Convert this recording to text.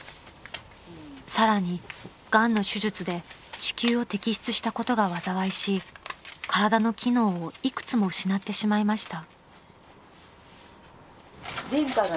［さらにがんの手術で子宮を摘出したことが災いし体の機能を幾つも失ってしまいました］